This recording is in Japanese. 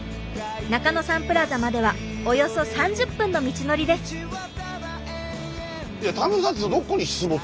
中野サンプラザまではおよそ３０分の道のりです。え？